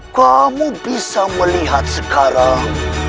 kamu bisa melihat sekarang